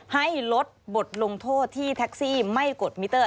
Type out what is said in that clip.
ให้ลดบทลงโทษที่แท็กซี่ไม่กดมิเตอร์